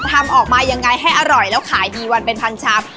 ทำออกมายังไงให้อร่อยแล้วขายดีวันเป็นพันชาม